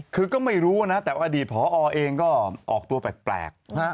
คือก็ไม่รู้นะแต่ว่าอดีตพอเองก็ออกตัวแปลก